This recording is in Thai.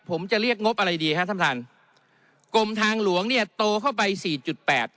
ผมจะเรียกงบอะไรดีฮะท่านท่านกรมทางหลวงเนี่ยโตเข้าไปสี่จุดแปด